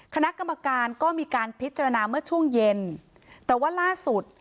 คณะกรรมการก็มีการพิจารณาเมื่อช่วงเย็นแต่ว่าล่าสุด